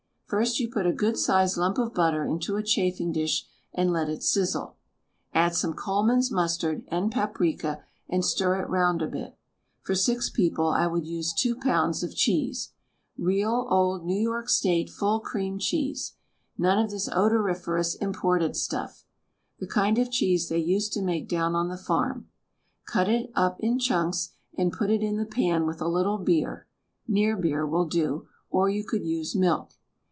First you put a good sized lump of butter into a chafing dish and let it sizzle. Add some Coleman's mustard and paprika and stir it round a bit. For six people I would use two pounds of cheese. Real old New York State full cream cheese — none of this odoriferous imported stuff. The kind of cheese they used to make down on the farm. Cut it up in chunks and put it in the pan with a little beer (near beer will do), or you could use milk.